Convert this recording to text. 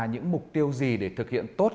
những mục tiêu gì để thực hiện tốt